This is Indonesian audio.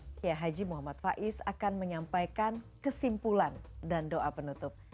dan sebagai penutup ya haji muhammad faiz akan menyampaikan kesimpulan dan doa penutup